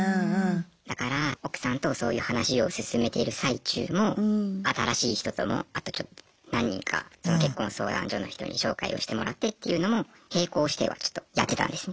だから奥さんとそういう話を進めている最中も新しい人ともあとちょっと何人か結婚相談所の人に紹介をしてもらってっていうのも並行してはちょっとやってたんですね。